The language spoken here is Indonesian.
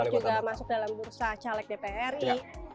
terus juga masuk dalam bursa caleg dpri